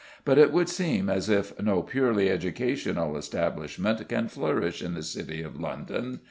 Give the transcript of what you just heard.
But it would seem as if no purely educational establishment can flourish in the City of London.